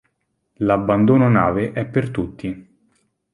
L"'abbandono nave" è per tutti.